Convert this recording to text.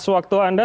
atas waktu anda